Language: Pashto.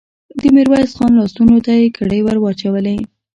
د ميرويس خان لاسونو ته يې کړۍ ور واچولې.